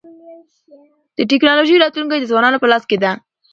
د ټکنالوژی راتلونکی د ځوانانو په لاس کي دی.